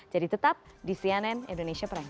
jadi tetap di cnn indonesia prime news